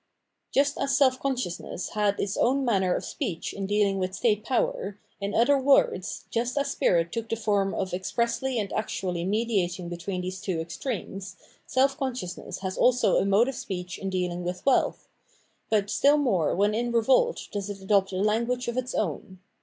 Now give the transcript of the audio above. Just as self consciousness had its own manner of speech in dealing with state power, in other words, just as spirit took the form of expressly and actually mediat ing between these two extremes, self consciousness has also a mode of speech in dealing with wealth ; but stiU more when in revolt does it adopt a language of its own.